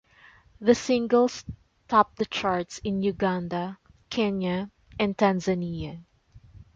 The singles topped the charts in Uganda, Kenya, and Tanzania.